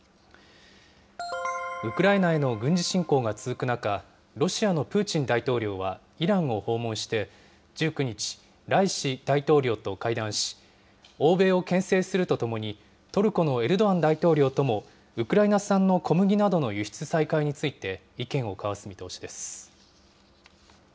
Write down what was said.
ウクライナへの軍事侵攻が続く中、ロシアのプーチン大統領はイランを訪問して、１９日、ライシ大統領と会談し、欧米をけん制するとともに、トルコのエルドアン大統領ともウクライナ産の小麦などの輸出再開について意見を交わす見通しです。